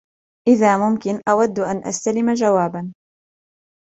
إذا ممكن, أود أن أستلم جواب.